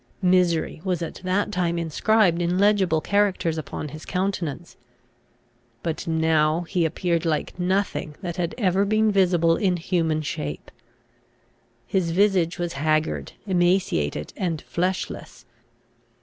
Misery was at that time inscribed in legible characters upon his countenance. But now he appeared like nothing that had ever been visible in human shape. His visage was haggard, emaciated, and fleshless.